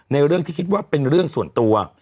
เรื่องที่คิดว่าเป็นเรื่องส่วนตัว